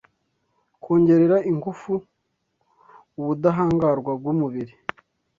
Kongerera ingufu ubudahangarwa bw’umubiri